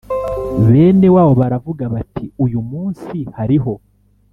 bene wabo baravuga bati Uyu munsi hariho